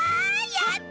やった！